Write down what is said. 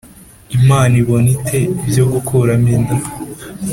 Imana ibona ite ibyo gukuramo inda